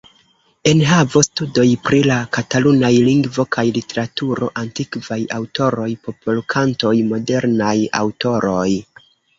Enhavo: Studoj pri la katalunaj lingvo kaj literaturo; Antikvaj aŭtoroj; Popolkantoj; Modernaj aŭtoroj.